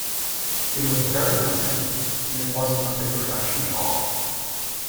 It was very home-made; it wasn't a big production at all.